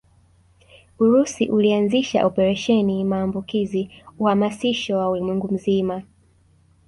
Urusi ulianzisha Operesheni maambukizi uhamasisho wa ulimwengu mzima